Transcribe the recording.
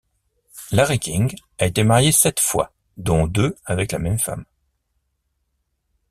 Larry King a été marié sept fois, dont deux avec la même femme.